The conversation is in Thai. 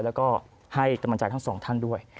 แล้วก็ให้กำลังใจทั้งสองท่านด้วย